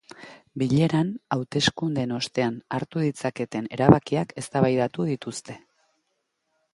Bileran, hauteskundeen ostean hartu ditzaketen erabakiak eztabaidatu dituzte.